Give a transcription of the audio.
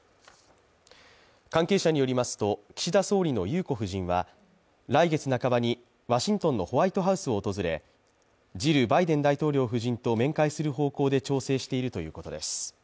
関係者によりますと、岸田総理の裕子夫人は来月半ばにワシントンのホワイトハウスを訪れジル・バイデン大統領夫人と面会する方向で調整しているということです。